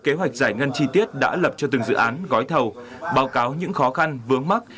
kế hoạch giải ngân chi tiết đã lập cho từng dự án gói thầu báo cáo những khó khăn vướng mắt